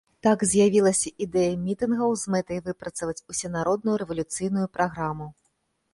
Так з'явілася ідэя мітынгаў з мэтай выпрацаваць усенародную рэвалюцыйную праграму.